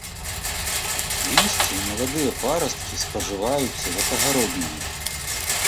Лісце і маладыя парасткі спажываюцца як агародніна.